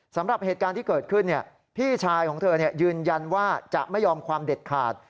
สำหรับเหตุการณ์ที่เกิดขึ้นพี่ชายของเธอยืนยันว่าจะไม่ยอมความเด็ดขาด